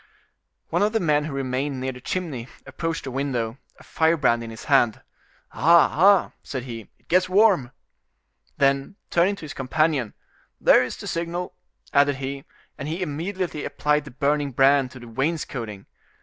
One of the men who remained near the chimney approached the window, a firebrand in his hand. "Ah, ah!" said he, "it gets warm." Then, turning to his companion: "There is the signal," added he; and he immediately applied the burning brand to the wainscoting.